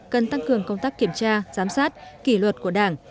cần tăng cường công tác kiểm tra giám sát kỷ luật của đảng